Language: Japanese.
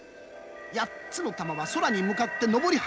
八つの珠は空に向かって昇り始めた。